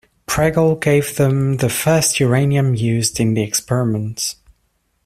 Pregel gave them the first uranium used in the experiments.